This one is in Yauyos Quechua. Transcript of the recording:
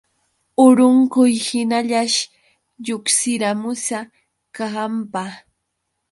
Urunquyhiñallash lluqsiramusa kahanpa.